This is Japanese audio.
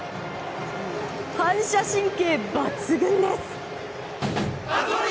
反射神経抜群です。